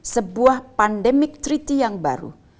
sebuah pandemic treaty yang baru